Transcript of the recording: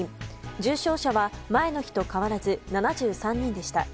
重症者は前の日と変わらず７３人でした。